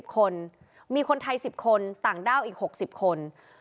คนมีคนไทย๑๐คนต่างด้าวอีก๖๐คน